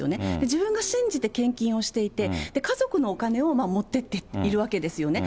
自分が信じて献金をしていて、家族のお金を持っていっているわけですよね。